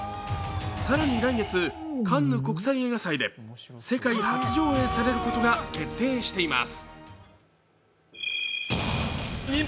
更に来月カンヌ国際映画祭で世界初上映されることが決定しています。